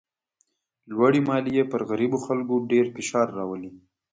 لوړې مالیې پر غریبو خلکو ډېر فشار راولي.